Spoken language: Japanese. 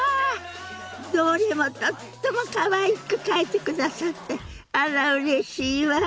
どれもとってもかわいく描いてくださってあらうれしいわ。